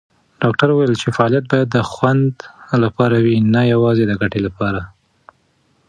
ډاکټره وویل چې فعالیت باید د خوند لپاره وي، نه یوازې د ګټې لپاره.